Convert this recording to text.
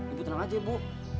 ibu tenang aja ibu